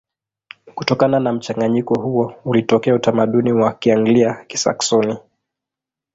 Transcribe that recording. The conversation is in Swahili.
Kutokana na mchanganyiko huo ulitokea utamaduni wa Kianglia-Kisaksoni.